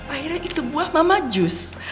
akhirnya itu buah mama jus